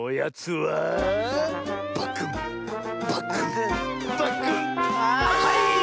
はい！